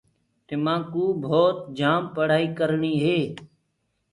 تمآڪوُ ڀوت جآم پڙهآئي ڪرڻي هي۔